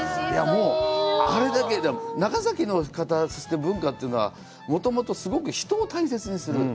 もうあれだけで、長崎の方、文化というのは、もともとすごく人を大切にする。